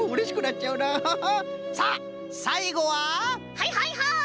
はいはいはい！